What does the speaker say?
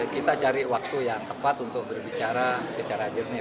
kita cari waktu yang tepat untuk berbicara secara jernih